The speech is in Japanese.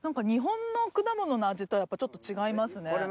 日本の果物の味とはやっぱちょっと違いますね。